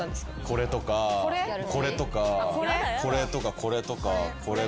これとかこれとかこれとかこれとかこれもありますし。